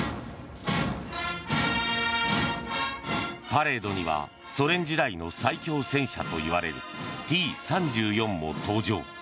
パレードにはソ連時代の最強戦車といわれるＴ３４も登場。